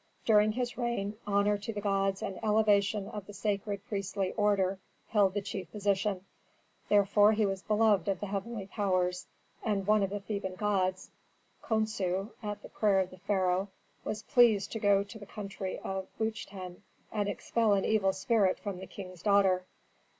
During his reign honor to the gods and elevation of the sacred priestly order held the chief position. Therefore he was beloved of the heavenly powers, and one of the Theban gods, Khonsu, at the prayer of the pharaoh, was pleased to go to the country of Buchten, and expel an evil spirit from the king's daughter."